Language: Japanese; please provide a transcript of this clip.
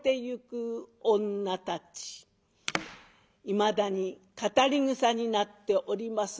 いまだに語りぐさになっております